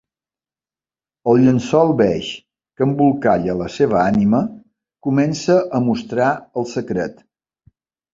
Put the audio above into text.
El llençol beix que embolcalla la seva ànima comença a mostrar el secret.